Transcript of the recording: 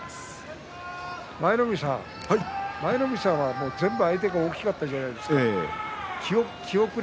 舞の海さんは全部が相手大きかったじゃないですか。